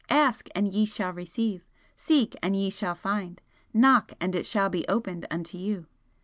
'Ask, and ye shall receive seek, and ye shall find knock, and it shall be opened unto you.'